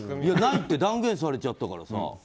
ないって断言されちゃったからさ。